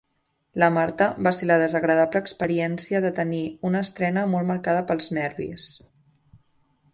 La Marta va ser la desagradable experiència de tenir una estrena molt marcada pels nervis.